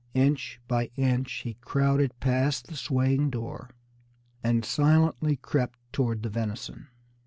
Inch by inch he crowded past the swaying door, and silently crept toward the venison.